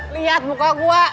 liat muka gue